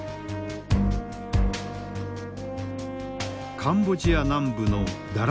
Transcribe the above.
カンボジア南部のダラサコー。